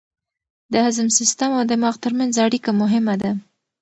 د هضم سیستم او دماغ ترمنځ اړیکه مهمه ده.